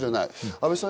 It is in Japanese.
阿部さん